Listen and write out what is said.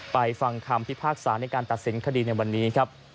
ฟังคำพิพากษาในการตัดสินคดีในวันนี้ครับ